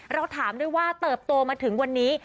เราถามด้วยว่าเติบโตมาถึงวันนี้